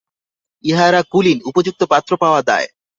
ইহারা কুলীন, উপযুক্ত পাত্র পাওয়া দায়।